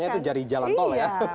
itu jari jalan tol ya